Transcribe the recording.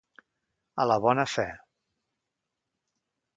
A la bona fe.